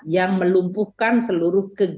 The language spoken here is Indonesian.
yang melumpuhkan seluruh keseimbangan